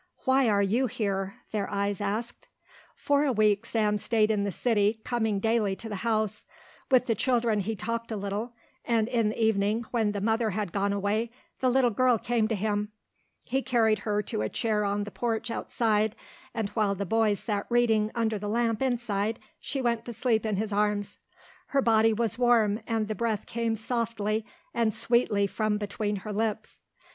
"Why are you here?" their eyes asked. For a week Sam stayed in the city, coming daily to the house. With the children he talked a little, and in the evening, when the mother had gone away, the little girl came to him. He carried her to a chair on the porch outside and while the boys sat reading under the lamp inside she went to sleep in his arms. Her body was warm and the breath came softly and sweetly from between her lips.